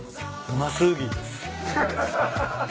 うま過ぎ。